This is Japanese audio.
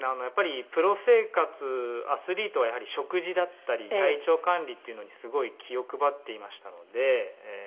やっぱりプロ生活アスリートはやはり食事だったり体調管理っていうのにすごい気を配っていましたので。